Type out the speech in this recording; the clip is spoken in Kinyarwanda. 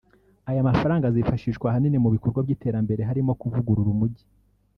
“Aya mafaranga azifashishwa ahanini mu bikorwa by’iterambere harimo kuvugurura umugi